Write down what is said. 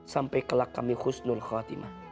sampai kelak kami khusnul khatimah